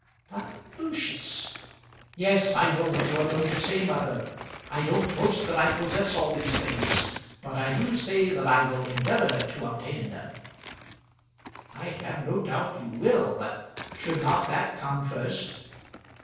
"But, Lucius " "Yes, I know what you are going to say, mother. I don't boast that I possess all these things; but I do say that I will endeavour to obtain them." "I have no doubt you will; but should not that come first?"